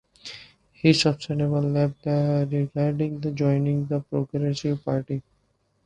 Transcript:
He subsequently left the Radicals and joined the Progressive Party.